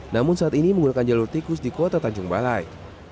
namun saat ini menggunakan jalur tikus di kota tanjung balai